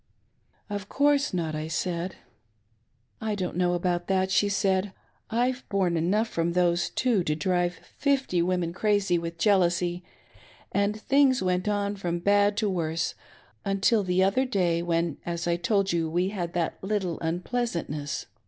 "Of course not," I said. "I don't know about that," she said, "I've borne enough, from those two to drive fifty women crazy with jealousy, and things went on from bad to worse, until the other day \yhen, as I told you, we had that little unpleasantness.